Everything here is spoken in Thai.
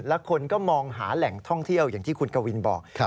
แล้วคนก็มองหาแหล่งท่องเที่ยวอย่างที่คุณกวินบอก